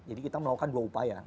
jadi kita melakukan dua upaya